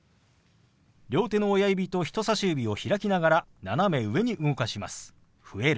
両手の親指と人さし指を開きながら斜め上に動かします。